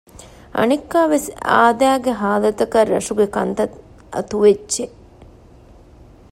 އަނެއްކާވެސް އާދައިގެ ހާލަތަކަށް ރަށުގެ ކަންތައް އަތުވެއްޖެ